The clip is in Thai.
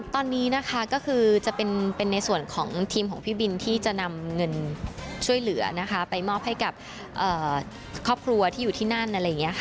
ตอนนี้นะคะก็คือจะเป็นในส่วนของทีมของพี่บินที่จะนำเงินช่วยเหลือนะคะไปมอบให้กับครอบครัวที่อยู่ที่นั่นอะไรอย่างนี้ค่ะ